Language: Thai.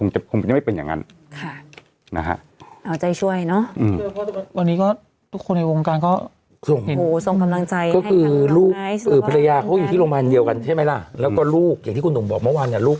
ช่วยนะวันนี้ก็ทุกคนในวงการก็ดูส่งกำลังใจก็คือลูกหรือหน้าเยียวกันใช่ไหมล่ะแล้วก็ลูกอย่างที่หนูบอกเมื่อวานเนี่ยลูก